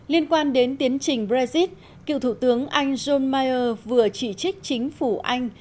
liên quan đến tiến trình brexit cựu thủ tướng anh john mayer vừa chỉ trích chính phủ anh